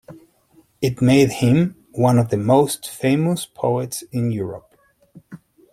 It made him one of the most famous poets in Europe.